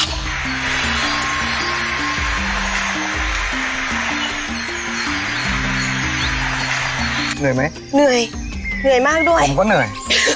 เหนื่อยไหมเหนื่อยเหนื่อยมากด้วยผมก็เหนื่อย